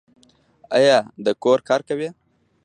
ایا د کور کار کوي؟